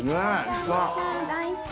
大好き。